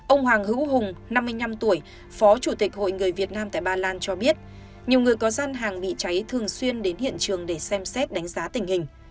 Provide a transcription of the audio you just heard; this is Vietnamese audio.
ông hoàng hữu hùng năm mươi năm tuổi phó chủ tịch hội người việt nam tại ba lan cho biết nhiều người có gian hàng bị cháy thường xuyên đến hiện trường để xem xét đánh giá tình hình